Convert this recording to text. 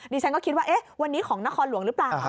ดิฉันก็คิดว่าวันนี้ของนครหลวงหรือเปล่า